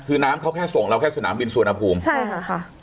คือน้ำเขาแค่ส่งเราแค่สนามบินสุวรรณภูมิใช่ค่ะ